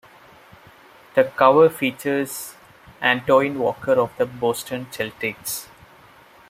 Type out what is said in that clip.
The cover features Antoine Walker of the Boston Celtics.